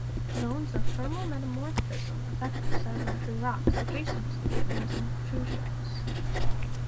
Zones of thermal metamorphism affect the sedimentary rocks adjacent to the igneous intrusions.